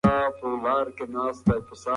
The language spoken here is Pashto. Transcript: لاس په کار شئ.